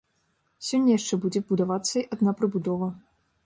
Сёння яшчэ будзе будавацца адна прыбудова.